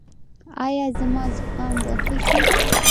ایا زما زکام به ښه شي؟